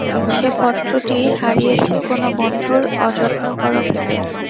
সে পত্রটি হারিয়েছে কোনো বন্ধুর অযত্নকরক্ষেপে।